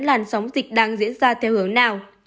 làn sóng dịch đang diễn ra theo hướng nào